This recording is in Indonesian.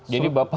jadi bapak tuh